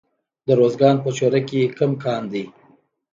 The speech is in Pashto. د ارزګان په چوره کې کوم کان دی؟